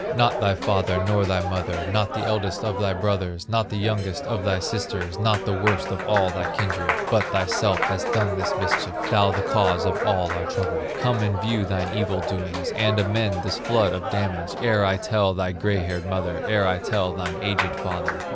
Not thy father, nor thy mother, Not the eldest of thy brothers, Not the youngest of thy sisters, Not the worst of all thy kindred, But thyself hast done this mischief, Thou the cause of all our trouble. Come and view thine evil doings, And amend this flood of damage, Ere I tell thy gray haired mother, Ere I tell thine aged father.